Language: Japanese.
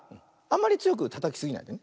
あんまりつよくたたきすぎないで。